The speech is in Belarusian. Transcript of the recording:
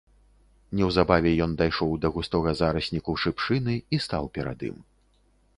Неўзабаве ён дайшоў да густога зарасніку шыпшыны і стаў перад ім.